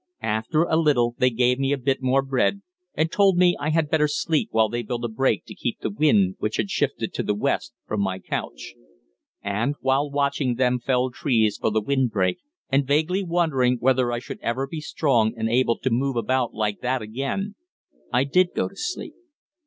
After a little they gave me a bit more bread, and told me I had better sleep while they built a break to keep the wind, which had shifted to the west, from my couch. And, while watching them fell trees for the wind break and vaguely wondering whether I should ever be strong and able to move about like that again, I did go to sleep.